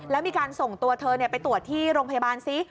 แล้วมีการส่งตัวเธอไปตรวจที่โรงพยาบาลซิ